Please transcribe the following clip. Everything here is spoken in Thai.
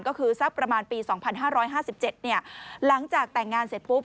ก็คือสักประมาณปี๒๕๕๗หลังจากแต่งงานเสร็จปุ๊บ